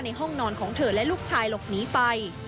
ห้องนอนของเธอและลูกชายหลบหนีไป